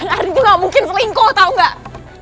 enggak ardi tuh gak mungkin selingkuh tau gak